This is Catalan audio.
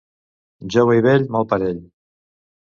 Jove i vell, mal parell.